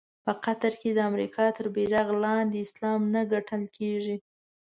په قطر کې د امریکا تر بېرغ لاندې اسلام نه ګټل کېږي.